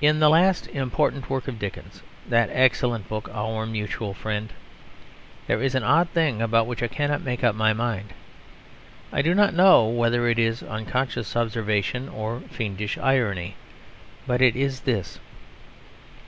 In the last important work of Dickens, that excellent book Our Mutual Friend, there is an odd thing about which I cannot make up my mind; I do not know whether it is unconscious observation or fiendish irony. But it is this.